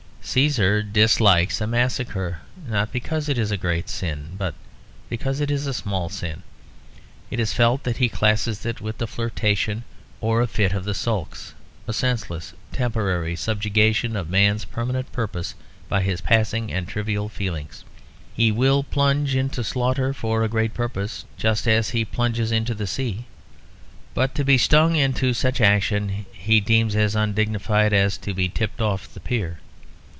Cæsar dislikes a massacre, not because it is a great sin, but because it is a small sin. It is felt that he classes it with a flirtation or a fit of the sulks; a senseless temporary subjugation of man's permanent purpose by his passing and trivial feelings. He will plunge into slaughter for a great purpose, just as he plunges into the sea. But to be stung into such action he deems as undignified as to be tipped off the pier.